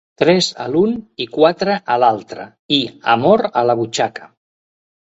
Tres a l'un i quatre a l'altre i amor a la butxaca.